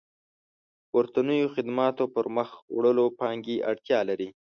پورتنيو خدماتو پرمخ وړلو پانګې اړتيا لري.